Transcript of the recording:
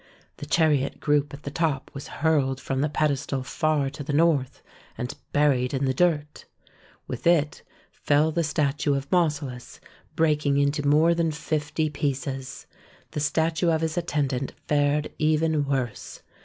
The chariot group at the top was hurled from the pedestal far to the north, and buried in the dirt. With it fell the statue of Mausolus, breaking it into more than fifty pieces ; the statue of his attendant fared even THE TOMB OF KING MAUSOLUS 145 worse.